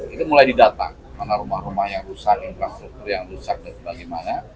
itu mulai didatang mana rumah rumah yang rusak infrastruktur yang rusak dan bagaimana